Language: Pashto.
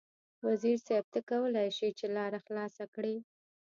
وزیر صیب ته کولای شې چې لاره خلاصه کړې.